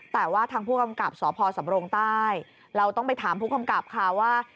แต่ว่าทางผู้กำกับสพสำรงใต้เราต้องไปถามผู้กำกับค่ะว่า